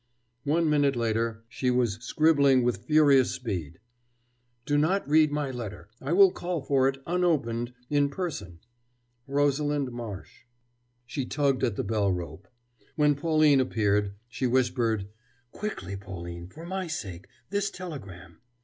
One minute later, she was scribbling with furious speed: Do not read my letter. I will call for it unopened in person. ROSALIND MARSH. She tugged at the bell rope. When Pauline appeared, she whispered: "Quickly, Pauline, for my sake this telegram."